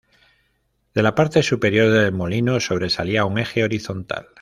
De la parte superior del molino sobresalía un eje horizontal.